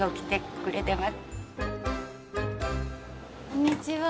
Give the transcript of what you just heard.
こんにちは。